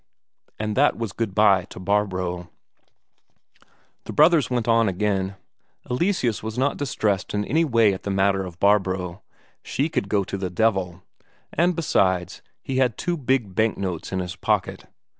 And that was good bye to Barbro. The brothers went on again. Eleseus was not distressed in any way in the matter of Barbro; she could go to the devil and, besides, he had two big bank notes in his pocket!